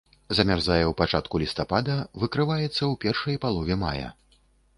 Замярзае ў пачатку лістапада, выкрываецца ў першай палове мая.